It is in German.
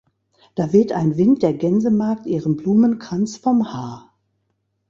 Da weht ein Wind der Gänsemagd ihren Blumenkranz vom Haar.